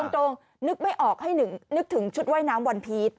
นึกไม่ออกให้นึกถึงชุดว่ายน้ำวันพีช